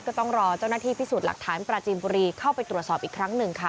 ก็ต้องรอเจ้าหน้าที่พิสูจน์หลักฐานปราจีนบุรีเข้าไปตรวจสอบอีกครั้งหนึ่งค่ะ